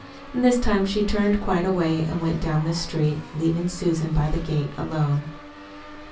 And this time she turned quite away and went on down the street, leaving Susan by the gate alone.